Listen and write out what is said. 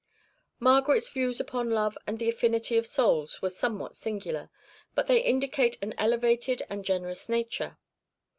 Margaret's views upon love and the affinity of souls were somewhat singular, but they indicate an elevated and generous nature.